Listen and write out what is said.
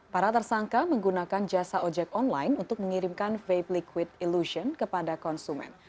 para tersangka menggunakan jasa ojek online untuk mengirimkan vape liquid illusion kepada konsumen